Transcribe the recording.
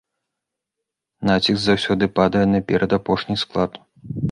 Націск заўсёды падае на перадапошні склад.